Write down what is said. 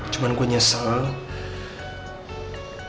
cuma gue terserah